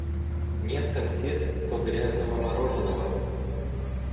Нет конфет, то грязного мороженого.